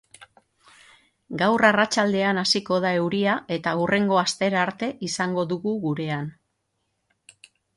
Gaur arratsaldean hasiko da euria, eta hurrengo astera arte izango dugu gurean.